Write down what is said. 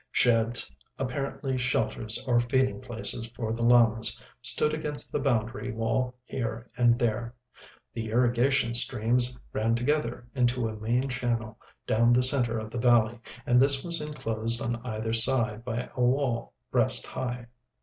Sheds, apparently shelters or feeding places for the llamas, stood against the boundary wall here and there. The irrigation streams ran together into a main channel down the centre of the valley, and this was enclosed on either side by a wall breast high.